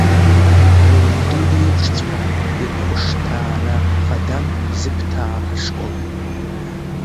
Рыҩнду еиԥшҵәҟьа ирхәшҭаара хадан Бзыԥҭаа ҳашкол.